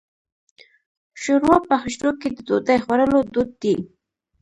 شوروا په حجرو کې د ډوډۍ خوړلو دود دی.